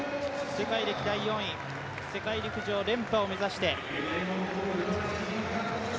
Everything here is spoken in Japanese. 世界歴代４位世界陸上連覇を目指して。